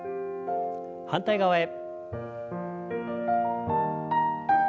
反対側へ。